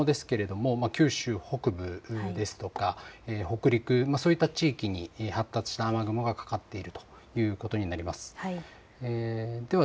こちら雨雲ですけど九州北部ですとか北陸、そういった地域に発達した雨雲がかかっているということになります。